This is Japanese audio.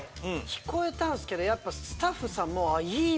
聞こえたんすけどスタッフさんもいい！